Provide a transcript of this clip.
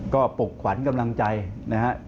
ก็ปลุกขวัญกำลังใจนะฮะ